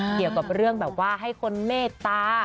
เกี่ยวกับเรื่องแบบว่าให้คนเมตตา